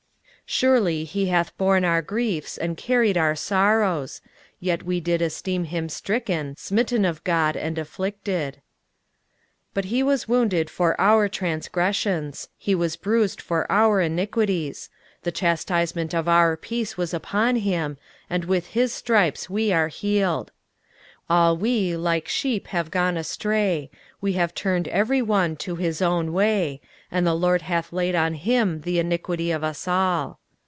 23:053:004 Surely he hath borne our griefs, and carried our sorrows: yet we did esteem him stricken, smitten of God, and afflicted. 23:053:005 But he was wounded for our transgressions, he was bruised for our iniquities: the chastisement of our peace was upon him; and with his stripes we are healed. 23:053:006 All we like sheep have gone astray; we have turned every one to his own way; and the LORD hath laid on him the iniquity of us all.